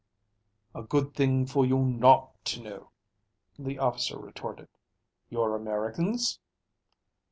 "A good thing for you not to know," the officer retorted. "You're Americans?"